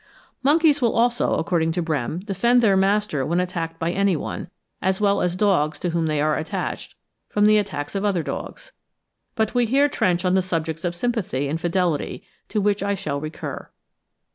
Monkeys will also, according to Brehm, defend their master when attacked by any one, as well as dogs to whom they are attached, from the attacks of other dogs. But we here trench on the subjects of sympathy and fidelity, to which I shall recur.